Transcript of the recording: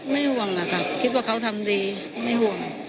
ห่วงนะครับคิดว่าเขาทำดีไม่ห่วง